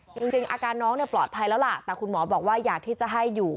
จริงอาการน้องเนี่ยปลอดภัยแล้วล่ะแต่คุณหมอบอกว่าอยากที่จะให้อยู่